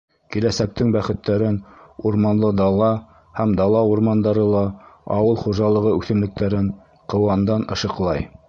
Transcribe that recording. Киләсәктең бәхеттәрен Урманлы дала һәм дала урмандары ла ауыл хужалығы үҫемлектәрен ҡыуандан ышыҡлай.